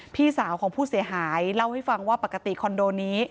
พี่สาวของผู้เสียหายเล่าให้ฟังว่าปกติคอนโดนี้